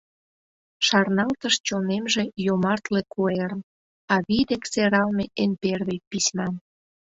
Шарналтыш чонемже йомартле куэрым, Авий дек сералме эн первый письмам.